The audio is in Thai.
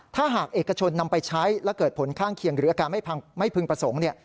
ถ้าหากเอกชนนำไปใช้และเกิดผลข้างเคียงหรืออาการไม่พึงประสงค์เนี่ย